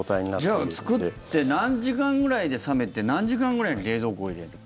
じゃあ作って何時間ぐらいで冷めて何時間ぐらいに冷蔵庫に入れれば。